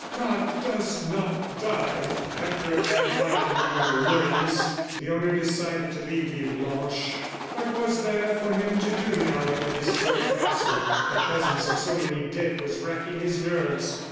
"God does not die." After a bad night among the ruins, the owner decided to leave Villeblanche. What was there for him to do now in the destroyed castle? ... The presence of so many dead was racking his nerves.